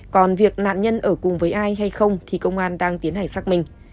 còn việc nạn nhân ở cùng với ai hay không thì công an đang tiến hành xác minh